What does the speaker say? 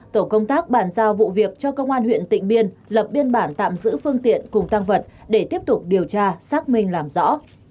tổ công tác bàn giao vụ việc cho công an huyện tịnh biên lập biên bản tạm giữ phương tiện cùng tăng vật để tiếp tục điều tra xác minh làm rõ